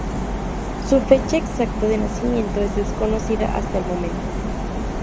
Su fecha exacta de nacimiento es desconocida hasta el momento.